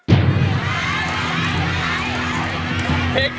ใช้ใช้ใช้